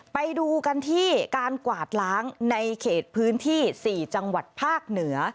ไปดูกันที่การกวาดล้างในเขตพื้นที่๔จังหวัดภาคเหนือ